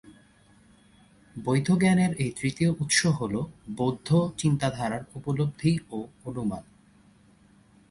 বৈধ জ্ঞানের এই তৃতীয় উৎস হল বৌদ্ধ চিন্তাধারার উপলব্ধি ও অনুমান।